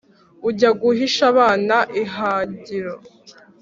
ujya guhisha abana i hangiro